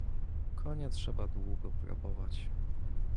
"Konia trzeba długo probować."